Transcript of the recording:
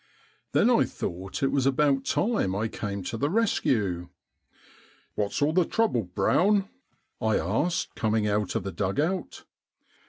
Then I thought it was about time I came to the rescue. '' What' s all the trouble, Brown ?'' I asked, coming out of the dug out.